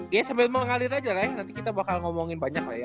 ya sambil mengalir aja lah ya nanti kita bakal ngomongin banyak lah ya